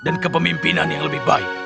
kepemimpinan yang lebih baik